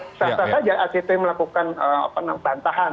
saya rasa aja act melakukan bantahan